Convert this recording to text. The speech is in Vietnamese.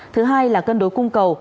thứ hai là cân đối cung cầu